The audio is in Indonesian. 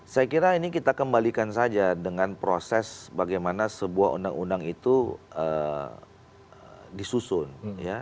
saya kira ini kita kembalikan saja dengan proses bagaimana sebuah undang undang itu disusun ya